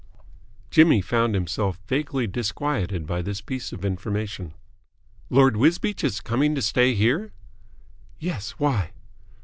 Jimmy found himself vaguely disquieted by this piece of information. "Lord Wisbeach is coming to stay here?" "Yes. Why?"